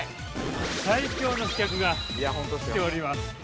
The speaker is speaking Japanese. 最強の刺客が来ております。